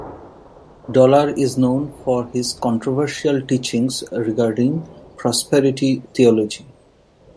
Dollar is known for his controversial teachings regarding prosperity theology.